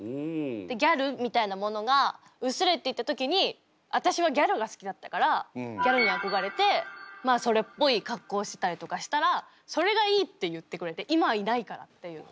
でギャルみたいなものが薄れていった時に私はギャルが好きだったからギャルに憧れてまあそれっぽい格好してたりとかしたらそれがいい！って言ってくれて今はいないからっていう。